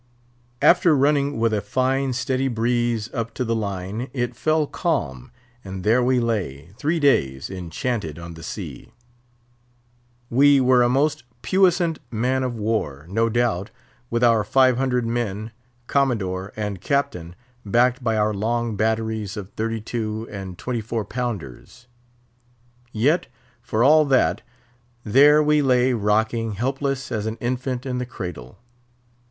After running with a fine steady breeze up to the Line, it fell calm, and there we lay, three days enchanted on the sea. We were a most puissant man of war, no doubt, with our five hundred men, Commodore and Captain, backed by our long batteries of thirty two and twenty four pounders; yet, for all that, there we lay rocking, helpless as an infant in the cradle.